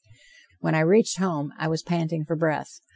When I reached home, I was panting for breath.